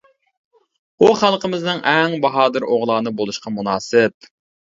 ئۇ خەلقىمىزنىڭ ئەڭ باھادىر ئوغلانى بولۇشقا مۇناسىپ.